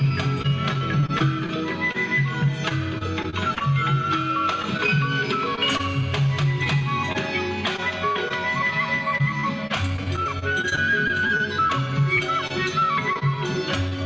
tari buang sangkal terhita dari para bahaya